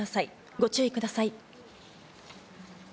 ご注意ください。